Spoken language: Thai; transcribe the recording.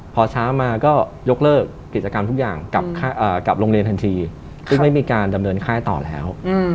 พอเช้ามาก็ยกเลิกกิจกรรมทุกอย่างกับโรงเรียนทันทีซึ่งไม่มีการดำเนินค่ายต่อแล้ว